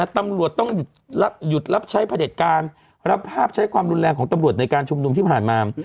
ตำรวจต้องหยุดรับใช้พระเด็จการรับภาพใช้ความรุนแรงของตำรวจในการชุมนุมที่ผ่านมา